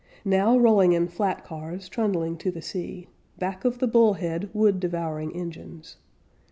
Now rolling in flat cars, trundling to the sea, Back of the bull head, wood devouring engines.